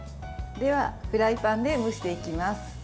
ではフライパンで蒸していきます。